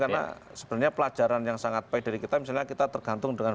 karena sebenarnya pelajaran yang sangat baik dari kita misalnya kita tergantung dengan